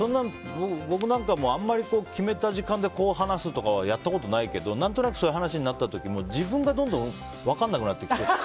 僕なんかも、あんまり決めた時間でこう話すとかはやったことないけど、何となくそういう話になった時も自分がどんどん分からなくなってきて。